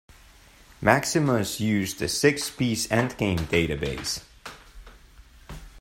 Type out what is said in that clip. Maximus used a six piece endgame database.